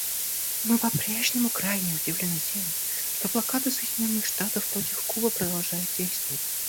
Мы по-прежнему крайне удивлены тем, что блокада Соединенных Штатов против Кубы продолжает действовать.